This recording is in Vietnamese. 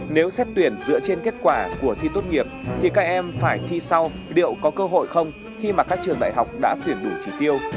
nếu xét tuyển dựa trên kết quả của thi tốt nghiệp thì các em phải thi sau liệu có cơ hội không khi mà các trường đại học đã tuyển đủ trị tiêu